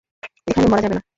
এখানে মরা যাবে না।